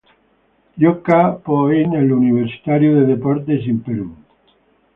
Gioca poi nell'Universitario de Deportes in Perù.